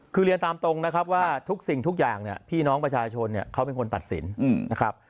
คือเรียนตามตรงนะครับว่าทุกสิ่งทุกอย่างเนี่ยพี่น้องประชาชนเนี่ยเขาเป็นคนตัดสินนะครับ